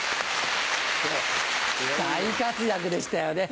大活躍でしたよね